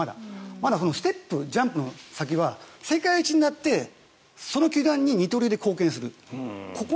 まだステップ・ジャンプの先は世界一になってその球団に二刀流で貢献する。